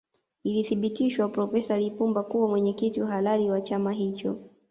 Ilithibitishwa profesa Lipumba kuwa mwenyekiti halali wa chama hicho